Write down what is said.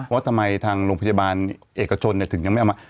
ว่าทำไมทางโรงพยาบาลเอกชนถึงยังไม่เอามา